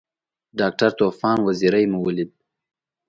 ډاکټر طوفان وزیری مو ولید.